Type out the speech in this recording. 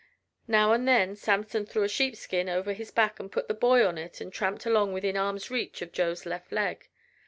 Now and then Samson threw a sheepskin over his back and put the boy on it and tramped along within arm's reach of Joe's left leg.